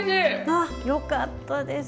ああよかったです。